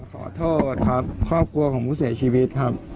ขอโทษครับครอบครัวของผู้เสียชีวิตครับ